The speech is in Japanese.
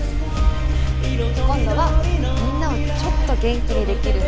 今度はみんなをちょっと元気にできる